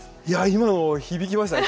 今の、響きましたね。